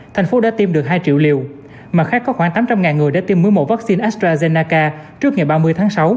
thành phố đã tiêm được hai triệu liều mà khác có khoảng tám trăm linh người đã tiêm mũi một vaccine astrazeneca trước ngày ba mươi tháng sáu